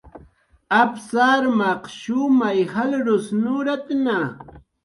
Apsaq armaq shumay jalrus nuratna